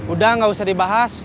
udah gak usah dibahas